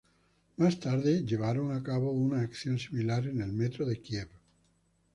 Más tarde llevaron a cabo una acción similar en el Metro de Kiev.